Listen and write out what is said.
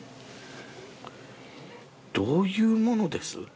どういう者です？